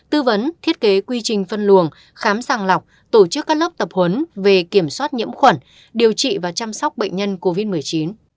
tư vấn thiết kế quy trình phân luồng khám sàng lọc tổ chức các lớp tập huấn về kiểm soát nhiễm khuẩn điều trị và chăm sóc bệnh nhân covid một mươi chín